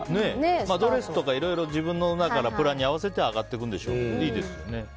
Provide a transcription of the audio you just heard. ドレスとかいろいろ自分のプランに合わせて上がっていくんでしょうけどいいですよね。